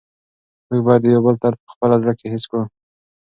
موږ باید د یو بل درد په خپل زړه کې حس کړو.